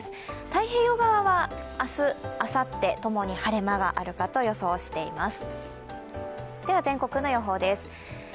太平洋側は明日、あさってともに晴れ間があるかと予想しています。